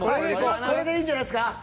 これでいいんじゃないすか。